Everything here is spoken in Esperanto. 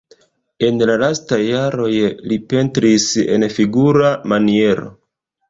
En la lastaj jaroj li pentris en figura maniero.